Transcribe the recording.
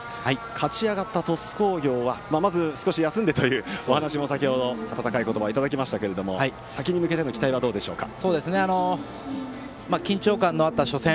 勝ち上がった鳥栖工業はまず、少し休んでという先程、温かいお言葉をいただきましたが先に向けての緊張感のあった初戦。